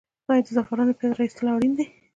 آیا د زعفرانو پیاز را ایستل اړین دي؟